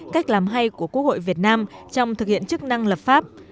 cách làm hay của quốc hội việt nam trong thực hiện chức năng lập pháp